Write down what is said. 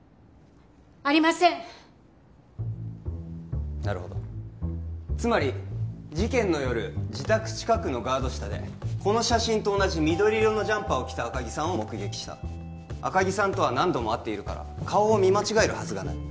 ありませんなるほどつまり事件の夜自宅近くのガード下でこの写真と同じ緑色のジャンパーを着た赤木さんを目撃した赤木さんとは何度も会ってるから顔を見間違えるはずがない